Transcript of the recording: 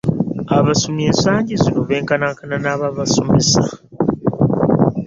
Abasomi ensangi zino benkanankana n'ababasomesa.